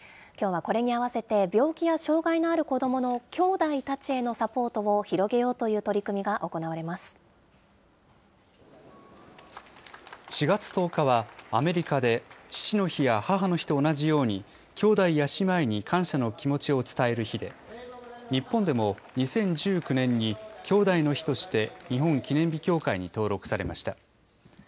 きょうはこれに合わせて、病気や障害のある子どものきょうだいたちへのサポートを広げよう４月１０日は、アメリカで父の日や母の日と同じように兄弟や姉妹に感謝の気持ちを伝える日で、日本でも２０１９年にきょうだいの日として、日本記念日協会に登録されました。